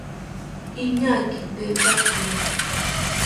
Iñaa kitetaki